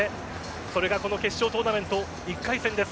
それがこの決勝トーナメント１回戦です。